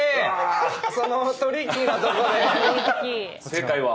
正解は。